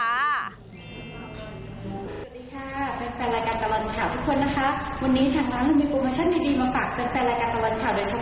สวัสดีค่ะเป็นแฟนรายการตลอดข่าวทุกคนนะคะวันนี้ทางร้านมีโปรโมชั่นดีมาฝาก